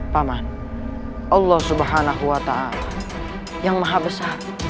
pak man allah subhanahu wa ta'ala yang maha besar